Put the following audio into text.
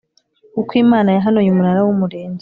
Ukw Imana yahanuye Umunara w Umurinzi